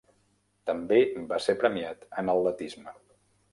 També va ser premiat en atletisme.